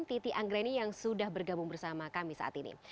titi anggreni yang sudah bergabung bersama kami saat ini